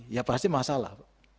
ya pasti masalah